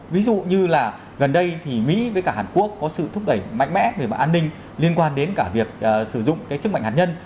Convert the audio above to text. ví dụ như là gần đây thì mỹ với cả hàn quốc có sự thúc đẩy mạnh mẽ về mặt an ninh liên quan đến cả việc sử dụng cái sức mạnh hạt nhân